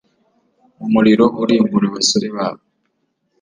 umuriro urimbura abasore babo